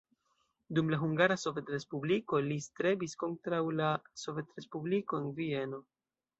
Dum la Hungara Sovetrespubliko li strebis kontraŭ la sovetrespubliko en Vieno.